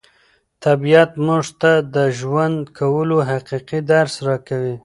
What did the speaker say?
طبیعت موږ ته د ژوند کولو حقیقي درس راکوي.